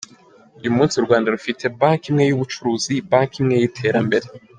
Uyu munsi u Rwanda rufite Banki imwe y’ubucururuzi, Banki imwe y’iterambere….